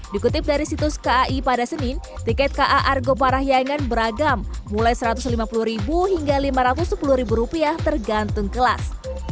dikutip dari situs kai pada senin tiket ka argo parahyangan beragam mulai rp satu ratus lima puluh hingga rp lima ratus sepuluh tergantung kelas